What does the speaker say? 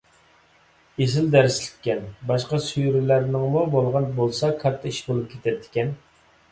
ئېسىل دەرسلىككەن. باشقا سۈرىلەرنىڭمۇ بولغان بولسا كاتتا ئىش بولۇپ كېتەتتىكەن!